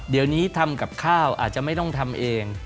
เดี๋ยวนี้ทำกับข้าวอาจจะไม่ต้องทำเอง